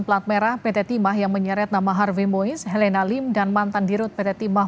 plat merah pt timah yang menyeret nama harvey mois helena lim dan mantan dirut pt timah